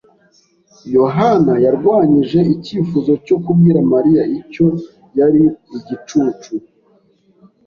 yohani yarwanyije icyifuzo cyo kubwira Mariya icyo yari igicucu.